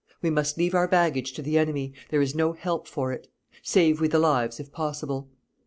We must leave our baggage to the enemy; there is no help for it. Save we the lives if possible.